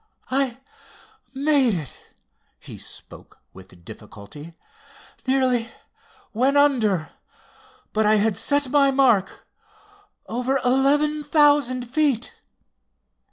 "I made it," he spoke with difficulty. "Nearly went under, but I had set my mark—over eleven thousand feet."